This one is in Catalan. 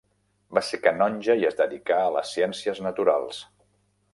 Va ser canonge i es dedicà a les ciències naturals.